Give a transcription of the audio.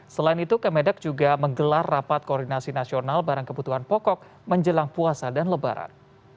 selain itu kemendak juga menggelar rapat koordinasi nasional barang kebutuhan pokok menjelang puasa dan lebaran